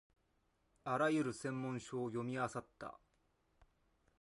あらゆる専門書を読みあさった